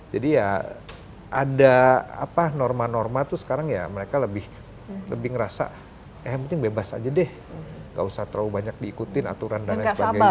jadi ya ada apa norma norma tuh sekarang ya mereka lebih lebih ngerasa eh mungkin bebas aja deh gak usah terlalu banyak diikutin aturan dan sebagainya gitu